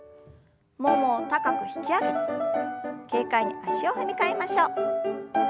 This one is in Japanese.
ももを高く引き上げて軽快に足を踏み替えましょう。